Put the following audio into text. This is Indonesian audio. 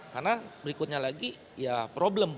karena berikutnya lagi ya problem